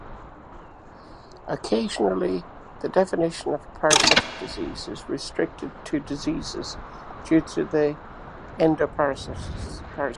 Occasionally the definition of "parasitic disease" is restricted to diseases due to endoparasites.